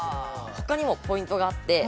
◆ほかにもポイントがあって。